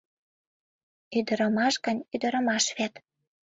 Ӱдырамаш гын, ӱдырамаш вет...